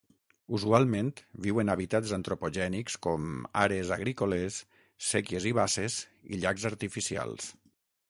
Usualment viu en hàbitats antropogènics com àrees agrícoles, séquies i basses i llacs artificials.